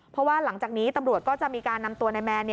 เพราะว่าหลังจากนี้ตำรวจก็จะมีการนำตัวนายแมน